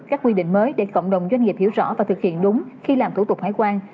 các quy định mới để cộng đồng doanh nghiệp hiểu rõ và thực hiện đúng khi làm thủ tục hải quan